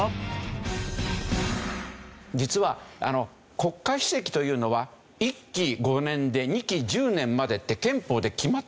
実は国家主席というのは１期５年で２期１０年までって憲法で決まってたんですよ。